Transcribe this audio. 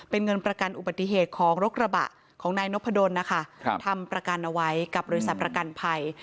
เป็นเงินประกันอุบัติเหตุของรถกระบะของนายนพดลนะคะทำประกันเอาไว้กับบริษัทประกันภัย